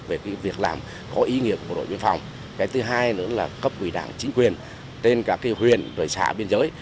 về việc làm có ý nghĩa của bộ đội biên phòng cái thứ hai nữa là cấp quỷ đảng chính quyền trên các huyền rời xã biên giới